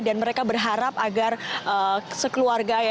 dan mereka berharap agar sekeluarga